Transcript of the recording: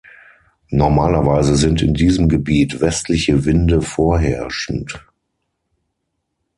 Normalerweise sind in diesem Gebiet westliche Winde vorherrschend.